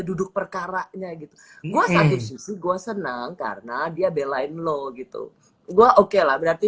duduk perkara nya gitu gua satu susu gua senang karena dia belain lo gitu gua oke lah berarti